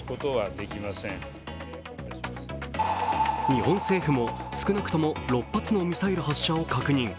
日本政府も少なくとも６発のミサイル発射を確認。